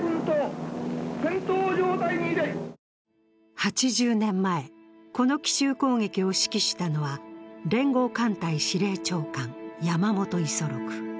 ８０年前、この奇襲攻撃を指揮したのは連合艦隊司令長官、山本五十六。